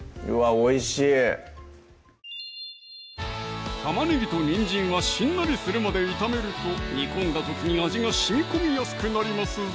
おいしい玉ねぎとにんじんはしんなりするまで炒めると煮込んだ時に味がしみこみやすくなりますぞ